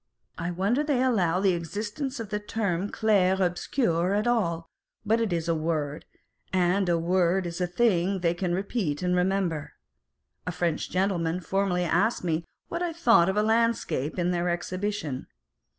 I wonder they allow the existence of the term clair obscur at all, but it is Jtfadame Pasta and Mademoiselle Mars. 469 a word ; and a word is a thing they can repeat and remember. A French gentleman formerly asked me what I thought of a landscape in their Exhibition.